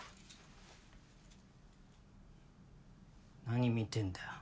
何見てんだよ。